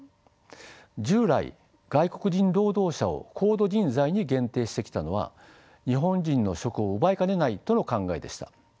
従来外国人労働者を高度人材に限定してきたのは日本人の職を奪いかねないとの考えでした。